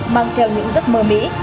mang theo những giấc mơ mỹ